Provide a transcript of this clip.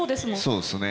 そうですね。